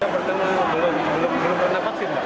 belum pernah vaksin